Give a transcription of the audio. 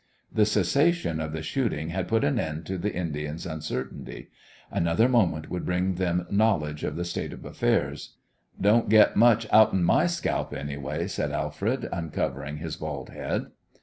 The cessation of the shooting had put an end to the Indians' uncertainty. Another moment would bring them knowledge of the state of affairs. "Don't get much outen my scalp, anyway," said Alfred, uncovering his bald head.